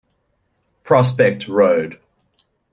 Prospect Rd.